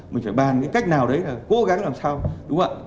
mình phải bàn cái cách nào đấy là cố gắng làm sao đúng không ạ